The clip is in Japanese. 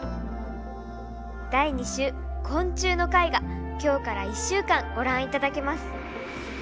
「第２集昆虫」の回が今日から１週間ご覧いただけます。